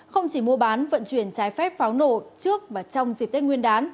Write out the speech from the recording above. không chỉ mua bán vận chuyển trái phép pháo nổ trước và trong dịp tết nguyên đán